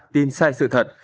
tin sai sự thật